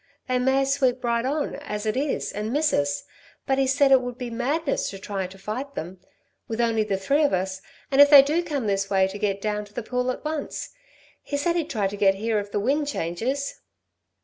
They may sweep right on, as it is, and miss us. But he said it would be madness to try to fight them with only the three of us, and if they do come this way to get down to the pool at once. He said he'd try to get here if the wind changes."